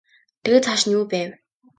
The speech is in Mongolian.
Тэгээд цааш нь юу байв?